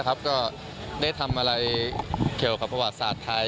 ก็ได้ทำอะไรเกี่ยวกับประวัติศาสตร์ไทย